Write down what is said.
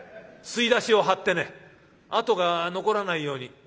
吸い出しを貼ってね痕が残らないように」。